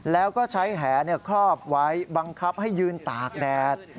แล้วก็ใช้แหครอบไว้บังคับให้ยืนตากแดด